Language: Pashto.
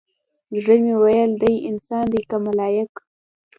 زړه مې ويل دى انسان دى كه ملايك؟